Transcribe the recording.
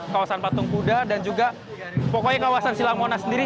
kawasan patung kuda dan juga pokoknya kawasan silang monas sendiri